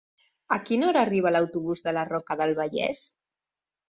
A quina hora arriba l'autobús de la Roca del Vallès?